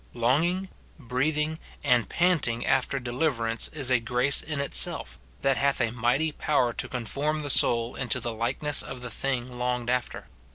Longing, breathing, and panting after deliverance is a grace in itself, that hath a mighty power to conform the soul into the likeness of the thing longed after.